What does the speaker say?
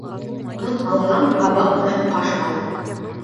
Ҡыҙ алһаң, ҡабаҡ менән ҡаш ал.